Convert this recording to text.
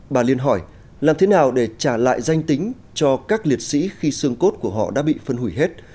bà liên hỏi làm thế nào để trả lại danh tính cho các liệt sĩ khi xương cốt của họ đã bị phân hủy hết